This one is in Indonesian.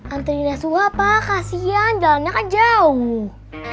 anterinnya suha kasian jalannya jauh